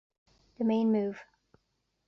The main move.